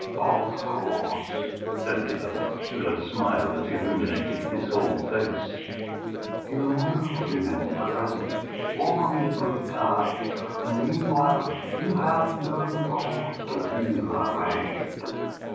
"Of course," said the other, with a smile that illumined his whole face. "You will remember presently, all in good time, and meanwhile you have no cause to feel afraid."